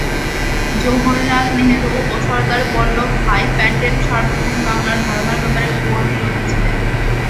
জওহরলাল নেহরু ও সর্দার বল্লভভাই প্যাটেল সার্বভৌম বাংলার ধারণার ব্যাপারে ঘোর বিরোধী ছিলেন।